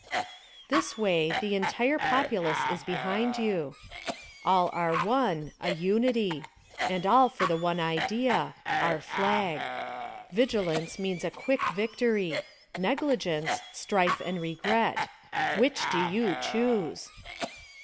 !* This way the entire populace is behind you; all are one, a unity; and all for the one idea — our flag. Vigilance means a quick victory; negligence — strife and regret. Which do you choose?